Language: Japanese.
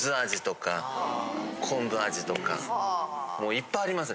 もういっぱいあります。